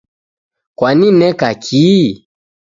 Kwanineka ki